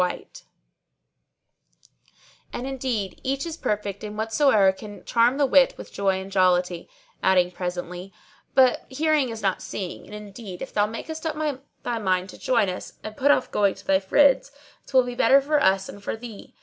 '[FN#626] And indeed each is perfect in whatso can charm the wit with joy and jollity;" adding presently, "But hearing is not seeing; and indeed if thou make up thy mind to join us and put off going to thy friends, 'twill be better for us and for thee.